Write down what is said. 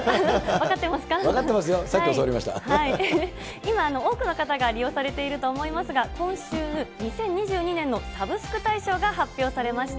分かってますよ、さっき教わ今、多くの方が利用されていると思いますが、今週、２０２２年のサブスク大賞が発表されました。